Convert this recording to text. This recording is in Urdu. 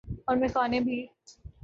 اورمیخانے بھی۔